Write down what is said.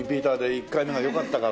１回目がよかったから。